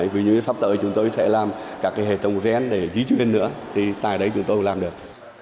vì như sắp tới chúng tôi sẽ làm các hệ thống gian để dí chuyên nữa thì tại đấy chúng tôi làm được